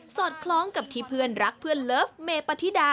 อดคล้องกับที่เพื่อนรักเพื่อนเลิฟเมปฏิดา